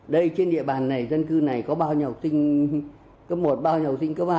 đây trên địa bàn này dân cư này có bao nhiêu học sinh cấp một bao nhiêu học sinh cấp ba